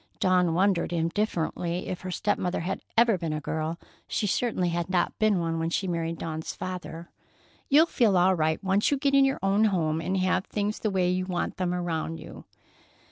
Dawn wondered indifferently if her step mother had ever been a girl. She certainly had not been one when she married Dawn's father. "You'll feel all right once you get in your own home and have things the way you want them around you."